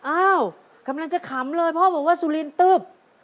อ้าวกำลังจะขำเลยพ่อบอกว่าสุรินตึบ